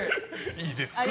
いいです。